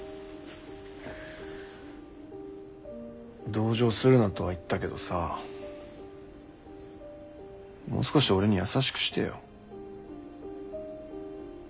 同情するなとは言ったけどさもう少し俺に優しくしてよ。